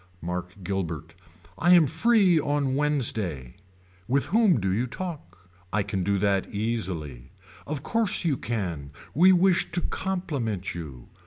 Mark Guilbert. I am free on Wednesday. With whom do you talk. I can do that easily. Of course you can we wish to compliment you.